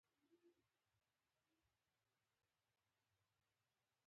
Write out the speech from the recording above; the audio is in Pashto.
د پسونو او وزو شمیر ډیر دی